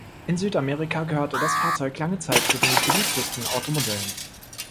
In Südamerika gehörte das Fahrzeug lange Zeit zu den beliebtesten Automodellen.